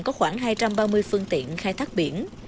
có khoảng hai trăm ba mươi phương tiện khai thác biển